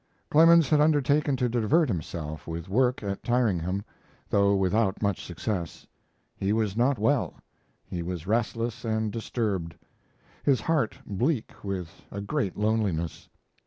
Clemens had undertaken to divert himself with work at Tyringham, though without much success. He was not well; he was restless and disturbed; his heart bleak with a great loneliness.